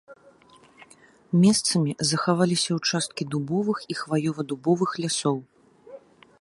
Месцамі захаваліся ўчасткі дубовых і хваёва-дубовых лясоў.